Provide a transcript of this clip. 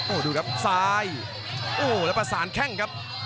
โอ้โหดูครับซ้ายโอ้โหแล้วประสานแข้งครับ